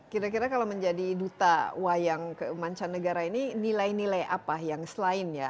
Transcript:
kira kira kalau menjadi duta wayang kemancanegara ini nilai nilai apa yang selain ya